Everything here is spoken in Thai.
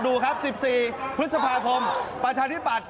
ดูครับ๑๔พฤษภาคมประชาธิปัตย